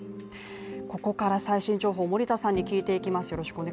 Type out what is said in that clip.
ここから最新情報森田さんに聞いていきます。